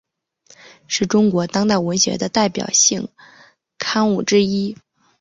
是中国当代文学的代表性刊物之一。